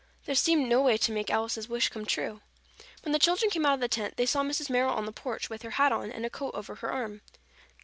There seemed no way to make Alice's wish come true. When the children came out of the tent, they saw Mrs. Merrill on the porch with her hat on and a coat over her arm.